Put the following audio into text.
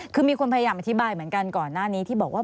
คือมีคนพยายามอธิบายเหมือนกันก่อนหน้านี้ที่บอกว่า